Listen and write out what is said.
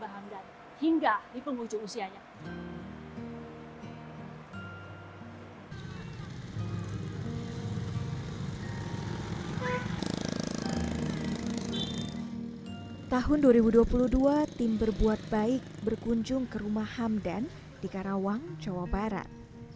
hampir sepuluh tahun yang kesalahan bapak